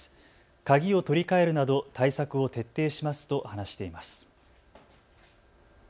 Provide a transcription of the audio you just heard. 鍵を取り替えるなど対策を徹底しますと話しています。